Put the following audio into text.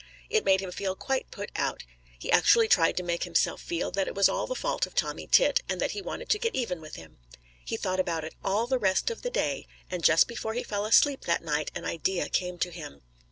It made him feel quite put out. He actually tried to make himself feel that it was all the fault of Tommy Tit, and that he wanted to get even with him. He thought about it all the rest of the day, and just before he fell asleep that night an idea came to him.